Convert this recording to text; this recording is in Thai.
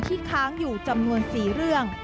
ค้างอยู่จำนวน๔เรื่อง